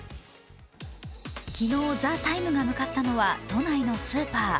昨日、「ＴＨＥＴＩＭＥ，」が向かったのは都内のスーパー。